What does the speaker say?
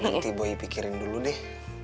nanti boy pikirin dulu deh